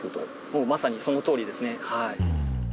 もうまさにそのとおりですね。